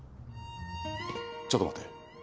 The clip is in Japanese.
ちょっと待て。